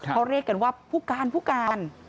เขาเรียกกันว่าผู้การ